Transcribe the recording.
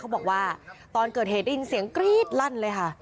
บอกว่าตอนเกิดเหตุได้ยินเสียงกรี๊ดลั่นเลยค่ะ